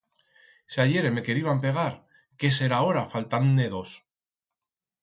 Si ahiere me queriban pegar, qué será ora faltand-ne dos!